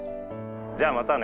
じゃあ、またね。